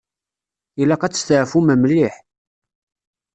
Ilaq ad testeɛfum mliḥ.